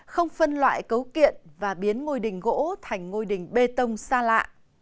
không phân loại cấu kiện và biến ngôi đình gỗ thành ngôi đình bê tông xa lạ